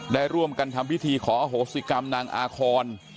ได้ร่วมกันทำพิธีขออโหสิกรรมนางอาคอน